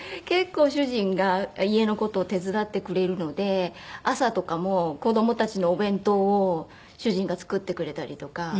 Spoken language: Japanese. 結構主人が家の事を手伝ってくれるので朝とかも子供たちのお弁当を主人が作ってくれたりとか。